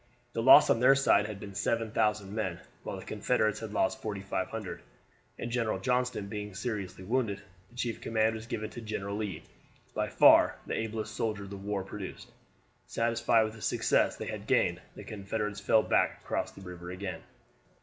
The loss on their side had been 7,000 men, while the Confederates had lost 4,500; and General Johnston being seriously wounded, the chief command was given to General Lee, by far the ablest soldier the war produced. Satisfied with the success they had gained, the Confederates fell back across the river again.